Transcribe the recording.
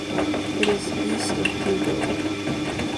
It is east of Hugo.